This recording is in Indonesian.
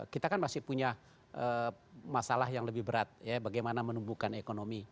kita kan masih punya masalah yang lebih berat ya bagaimana menumbuhkan ekonomi